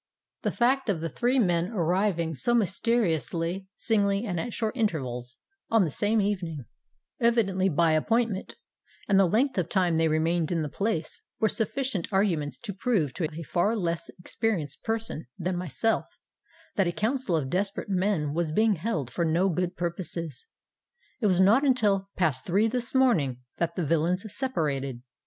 The fact of the three men arriving so mysteriously—singly and at short intervals, on the same evening, evidently by appointment—and the length of time they remained in the place, were sufficient arguments to prove to a far less experienced person than myself, that a council of desperate men was being held for no good purposes. It was not until past three this morning, that the villains separated.